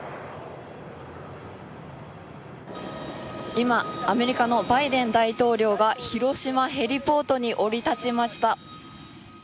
今アメリカのバイデン大統領が広島ヘリポートに降り立ちました。